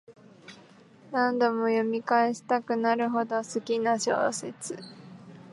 何度も読み返したくなるほど好きな小説